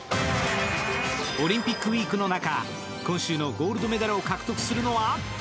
オリンピックウィークの中、今週のゴールドメダルを獲得するのは？